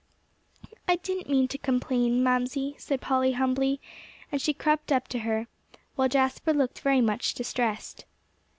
"I didn't mean to complain, Mamsie," said Polly humbly; and she crept up to her, while Jasper looked very much distressed.